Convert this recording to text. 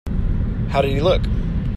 How did he look?